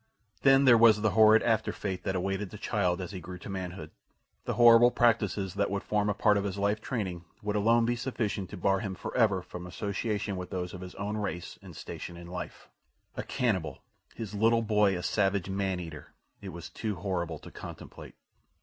Then there was the horrid after fate that awaited the child as he grew to manhood. The horrible practices that would form a part of his life training would alone be sufficient to bar him forever from association with those of his own race and station in life. A cannibal! His little boy a savage man eater! It was too horrible to contemplate.